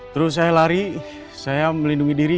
terus saya lari saya melindungi diri